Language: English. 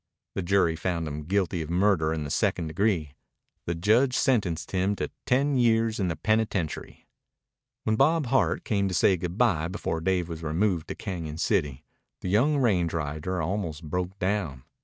The jury found him guilty of murder in the second degree. The judge sentenced him to ten years in the penitentiary. When Bob Hart came to say good bye before Dave was removed to Cañon City, the young range rider almost broke down.